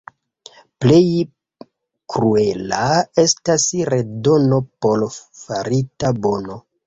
Plej kruela estas redono por farita bono.